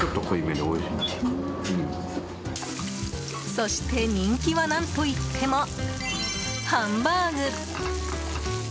そして、人気は何といってもハンバーグ。